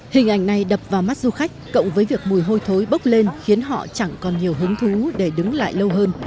hình ảnh này đập vào mắt du khách cộng với việc mùi hôi thối bốc lên khiến họ chẳng còn nhiều hứng thú để đứng lại lâu hơn